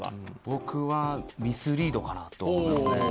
僕は、ミスリードかなと思いますね。